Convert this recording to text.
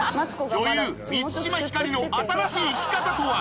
女優満島ひかりの新しい生き方とは？